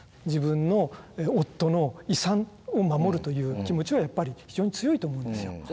自分の夫の遺産を守るという気持ちはやっぱり非常に強いと思うんですよ。